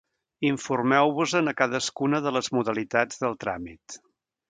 Informeu-vos-en a cadascuna de les modalitats del tràmit.